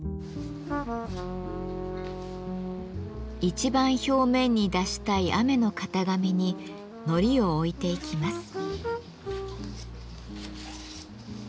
一番表面に出したい雨の型紙に糊を置いていきます。